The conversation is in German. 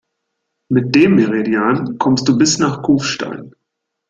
Mit dem Meridian kommst du bis nach Kufstein.